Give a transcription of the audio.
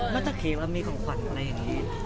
ตะเคเรามีของขวัญอะไรอย่างนี้